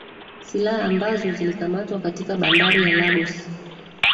silaha ambazo zilikamatwa katika bandari ya lagos